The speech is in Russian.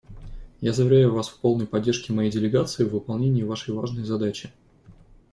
Я заверяю Вас в полной поддержке моей делегации в выполнении Вашей важной задачи.